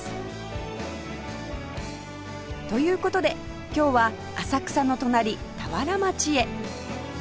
という事で今日は浅草の隣田原町へ